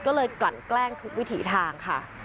ก็เลยกลั่นแกล้งทุกวิถีทางค่ะ